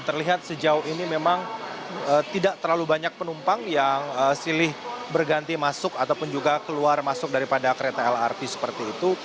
terlihat sejauh ini memang tidak terlalu banyak penumpang yang silih berganti masuk ataupun juga keluar masuk daripada kereta lrt seperti itu